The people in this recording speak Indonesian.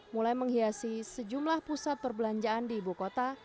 mulai menghiasi sejumlah pusat perbelanjaan di ibu kota